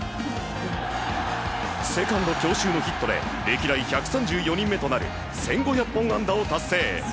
セカンド強襲のヒットで歴代１３４人目となる１５００本安打を達成。